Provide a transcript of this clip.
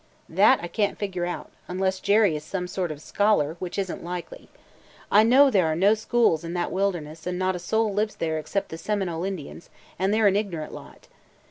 "That I can't figure out, unless Jerry is some sort of a scholar, which is n't likely. I know there are no schools in that wilderness and not a soul lives there except the Seminole Indians; and they 're an ignorant lot.